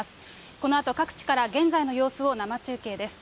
このあと各地から、現在の様子を生中継です。